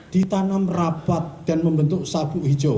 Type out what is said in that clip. ditanam rapat dan membentuk sabu hijau